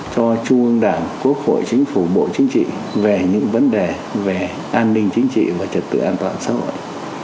cho trung ương đảng quốc hội chính phủ bộ chính trị về những vấn đề về an ninh chính trị và trật tự an toàn xã hội